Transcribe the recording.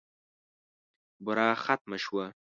بوره ختمه شوه .